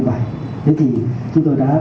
thế thì chúng tôi đã có công an sang